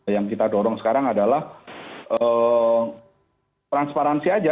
yang kita dorong sekarang adalah transparansi aja